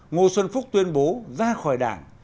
ngô xuân phúc tuyên bố ra khỏi đảng